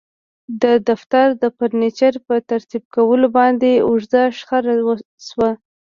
د دفتر د فرنیچر په ترتیب کولو باندې اوږده شخړه شوه